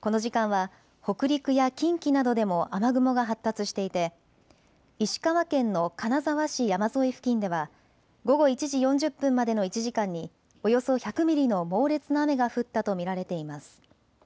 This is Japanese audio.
この時間は北陸や近畿などでも雨雲が発達していて石川県の金沢市山沿い付近では午後１時４０分までの１時間におよそ１００ミリの猛烈な雨が降ったと見られています。